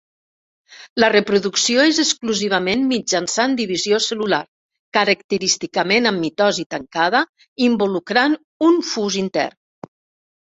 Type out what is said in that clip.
La reproducció és exclusivament mitjançant divisió cel·lular, característicament amb mitosi tancada, involucrant un fus intern.